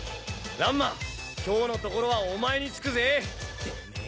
乱馬今日のところはお前に付くぜえ